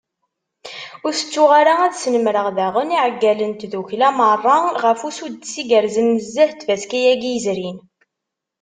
Ur tettuɣ ara ad snemreɣ daɣen iɛeggalen n tddukkla meṛṛa ɣef usuddes igerrzen nezzeh n tfaska-agi yezrin.